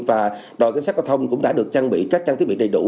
và đòi kiến sát có thông cũng đã được trang bị các trang thiết bị đầy đủ